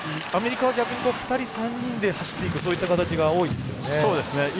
アメリカは逆に２人、３人で走っていく形が多いですよね。